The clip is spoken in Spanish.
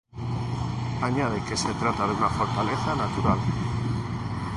Añade que se trataba de una fortaleza natural.